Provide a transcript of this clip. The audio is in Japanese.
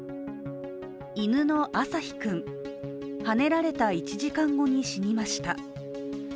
犬の朝陽くん、はねられた１時間後に死にました。